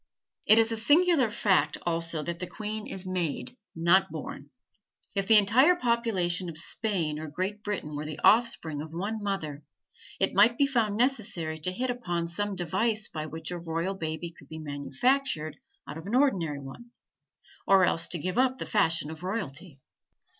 It is a singular fact, also, that the queen is made, not born. If the entire population of Spain or Great Britain were the offspring of one mother, it might be found necessary to hit upon some device by which a royal baby could be manufactured out of an ordinary one, or else give up the fashion of royalty.